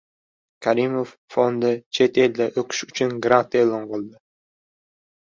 Karimov fondi chet elda o‘qish uchun grant e’lon qildi